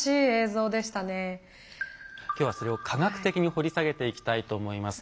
今日はそれを科学的に掘り下げていきたいと思います。